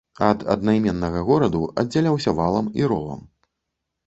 Ад аднайменнага гораду аддзяляўся валам і ровам.